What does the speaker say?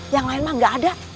yang lain mah gak ada